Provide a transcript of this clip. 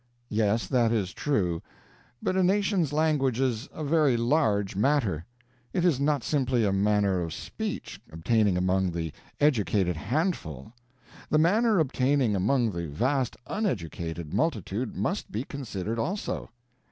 "Yes, that is true; but a nation's language is a very large matter. It is not simply a manner of speech obtaining among the educated handful; the manner obtaining among the vast uneducated multitude must be considered also.